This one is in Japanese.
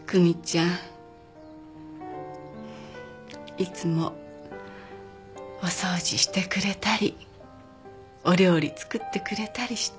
いつもお掃除してくれたりお料理作ってくれたりして。